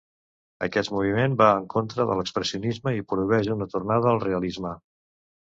Aquest moviment va en contra de l'expressionisme i prohibeix una tornada al realisme.